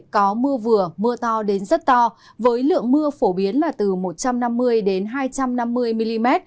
có mưa vừa mưa to đến rất to với lượng mưa phổ biến là từ một trăm năm mươi hai trăm năm mươi mm